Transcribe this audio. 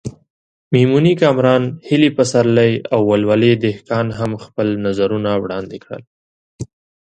میمونې کامران، هیلې پسرلی او ولولې دهقان هم خپل نظرونه وړاندې کړل.